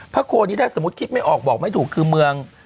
โคนี่ถ้าสมมุติคิดไม่ออกบอกไม่ถูกคือเมือง